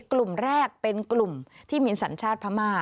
กลุ่มแรกเป็นกลุ่มที่มีสัญชาติพม่า